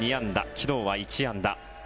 昨日は１安打。